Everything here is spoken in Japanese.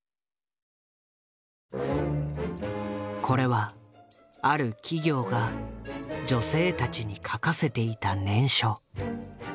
これはある企業が女性たちに書かせていた念書。